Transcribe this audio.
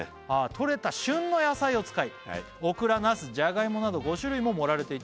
「旬の野菜を使い」「オクラナスジャガイモなど５種類も盛られていて」